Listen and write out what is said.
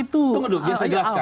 bung duk biar saya jelaskan